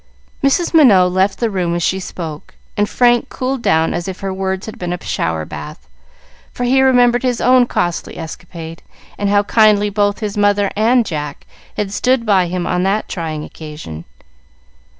Mrs. Minot left the room as she spoke, and Frank cooled down as if her words had been a shower bath, for he remembered his own costly escapade, and how kindly both his mother and Jack had stood by him on that trying occasion.